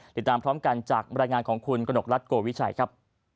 ติดตามพร้อมกันจากบรรยายงานของคุณกระหนกรัฐโกวิชัยครับ